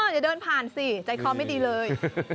อ๋อจะเดินผ่านสิใจคลอมไม่ดีเลย